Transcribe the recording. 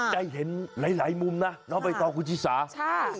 ได้เห็นหลายมุมนะน้องไปต่อกุจิสาใช่